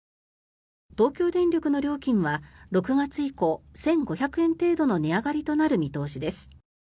東京電力の料金は６月以降１５００円程度の値上がりとなる見通しです。